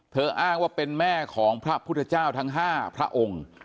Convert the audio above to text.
อ้างว่าเป็นแม่ของพระพุทธเจ้าทั้ง๕พระองค์